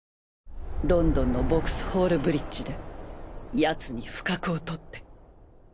ロンドンのヴォクスホールブリッジで奴に不覚をとって